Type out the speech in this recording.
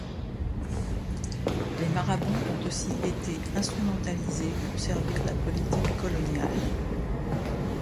Les marabouts ont aussi été instrumentalisés pour servir la politique coloniale.